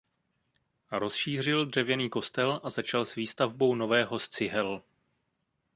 Rozšířil dřevěný kostel a začal s výstavbou nového z cihel.